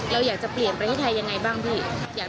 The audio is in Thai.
เราอยากจะเปลี่ยนประเทศไทยยังไงบ้างพี่